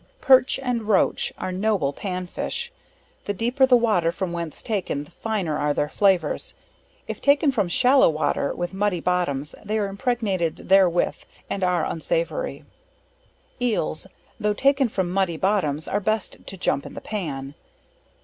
Perch and Roach, are noble pan fish, the deeper the water from whence taken, the finer are their flavors; if taken from shallow water, with muddy bottoms, they are impregnated therewith, and are unsavory. Eels, though taken from muddy bottoms, are best to jump in the pan.